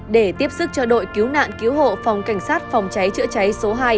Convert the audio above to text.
để tiếp sức cho đội cứu nạn cứu hộ phòng cảnh sát phòng cháy chữa cháy số hai